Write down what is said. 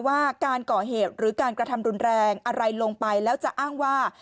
ว่าการก่อเหตุหรือการกระทำรุนแรงอะไรลงไปแล้วจะอ้างว่า